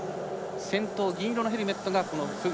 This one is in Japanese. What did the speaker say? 先頭、銀色のヘルメットがフグ。